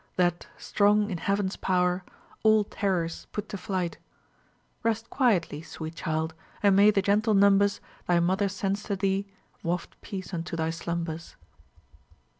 That, strong in Heaven's power, All terrors put to flight! Rest quietly, sweet child, And may the gentle numbers Thy mother sends to thee Waft peace unto thy slumbers."